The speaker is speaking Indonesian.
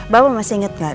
bapak masih inget gak